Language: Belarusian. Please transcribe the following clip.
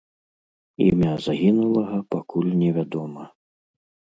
Імя загінулага пакуль невядома.